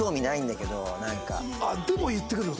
でも言ってくるって事？